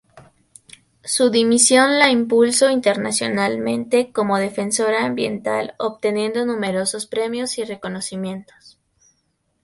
Su dimisión la impulso internacionalmente como defensora ambiental obteniendo numerosos premios y reconocimientos.